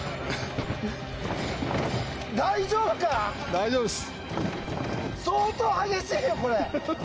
大丈夫です。